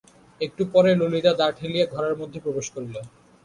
একটু পরেই ললিতা দ্বার ঠেলিয়া ঘরের মধ্যে প্রবেশ করিল।